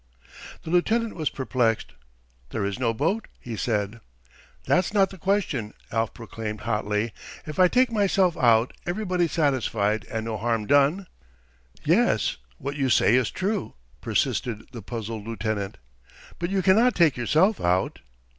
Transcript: The lieutenant was perplexed. "There is no boat," he said. "That's not the question," Alf proclaimed hotly. "If I take myself out, everybody's satisfied and no harm done?" "Yes; what you say is true," persisted the puzzled lieutenant. "But you cannot take yourself out."